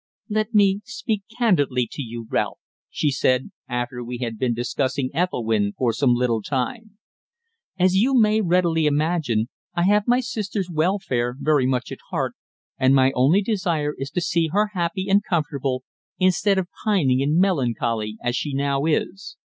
"Let me speak candidly to you, Ralph," she said, after we had been discussing Ethelwynn for some little time. "As you may readily imagine, I have my sister's welfare very much at heart, and my only desire is to see her happy and comfortable, instead of pining in melancholy as she now is.